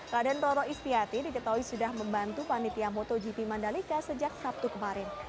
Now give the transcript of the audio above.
radendroro istiati diketahui sudah membantu panitia motogp madalika sejak sabtu kemarin